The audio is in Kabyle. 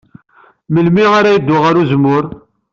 Melmi ara yeddu ɣer uzemmur?